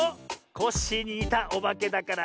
コッシーににたオバケだから。